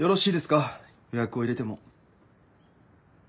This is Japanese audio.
予約を入れても。